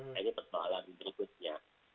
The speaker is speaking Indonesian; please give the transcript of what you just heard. nah ini persoalan berikutnya